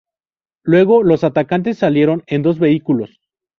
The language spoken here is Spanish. Luego, los atacantes salieron en dos vehículos.